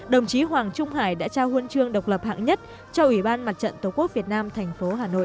đồng chí hoàng trung hải đã trao huân chương độc lập hạng nhất cho ủy ban mặt trận tổ quốc việt nam thành phố hà nội